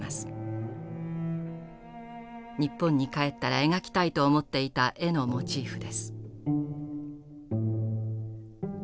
日本に帰ったら描きたいと思っていた絵のモチーフです。